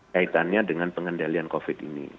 kaitannya dengan pengendalian covid ini